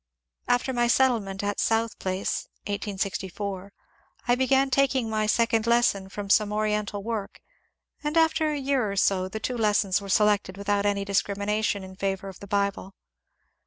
After my settlement at South Place (1861) I began taking my second lesson from some Oriental work, and after a year or so the two lessons were selected without any discrimination in favour of the Bible.